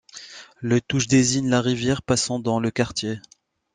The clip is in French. Le Touch désigne la rivière passant dans le quartier.